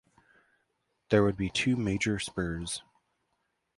There would be two major spurs.